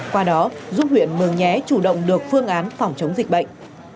qua đó giúp huyện mường nhé chủ động được phương án phòng chống dịch bệnh